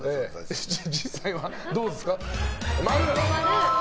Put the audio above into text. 実際はどうですか。